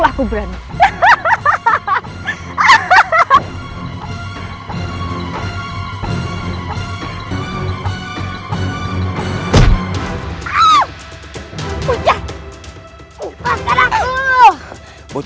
aku akan membuatmu mati